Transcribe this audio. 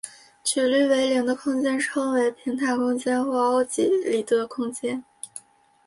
曲率为零的空间称为平坦空间或欧几里得空间。